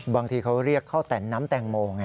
บางทีเขาเรียกข้าวแต่นน้ำแตงโมไง